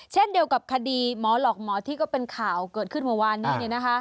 เช่นเดียวกับคดีหมอหลอกหมอที่ก็เป็นข่าวเกิดขึ้นเมื่อวานนี้